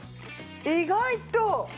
意外と。